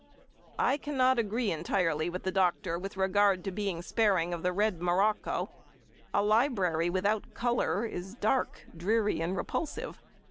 I cannot agree entirely with the Doctor with regard to being sparing with the red morocco. A library without colour is dark, dreary, and repulsive.